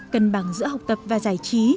cân bằng giữa học tập và giải trí